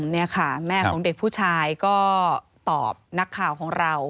นี่ค่ะแม่ของเด็กผู้ชายก็ตอบนักข่าวของเรา